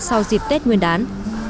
sau dịp tết nguyên đán